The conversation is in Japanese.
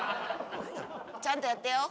ちゃんとやってよ。